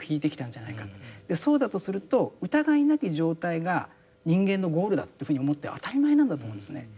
そうだとすると疑いなき状態が人間のゴールだというふうに思って当たり前なんだと思うんですね。